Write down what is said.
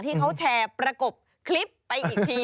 ที่เขาแชร์ประกบคลิปไปอีกที